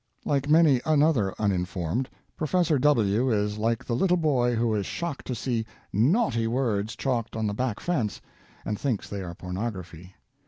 Like many another uninformed, Prof. W. is like the little boy who is shocked to see "naughty" words chalked on the back fence, and thinks they are pornography.